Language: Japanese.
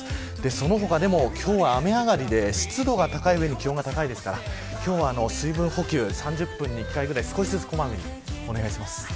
その他でも今日は雨上がりで湿度が高い上に気温が高いですから今日は水分補給３０分に１回くらい、少しずつ小まめにお願いします。